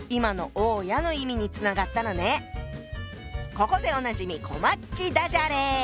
ここでおなじみこまっちダジャレ！